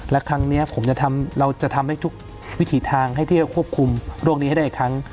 และครั้งนี้ผมเราจะทำให้ทุกวิถีทางให้ที่จะควบคุมโรคนี้ให้ได้อีกครั้ง